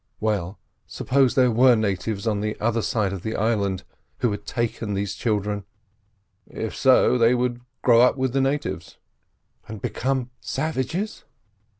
Well, suppose there were natives at the other side of the island who had taken these children." "If so, they would grow up with the natives." "And become savages?"